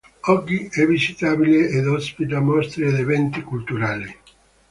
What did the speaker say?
Oggi è visitabile ed ospita mostre ed eventi culturali.